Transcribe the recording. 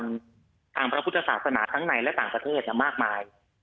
ทางพระพุทธศาสนาทั้งในและต่างประเทศมากมาย